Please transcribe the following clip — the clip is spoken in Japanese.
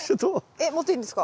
えっ持っていいんですか？